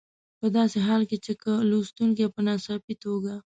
په داسې حال کې چې که لوستونکي په ناڅاپي توګه.